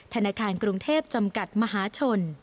ธนาคารกรุงเทพจำกัดมหาชน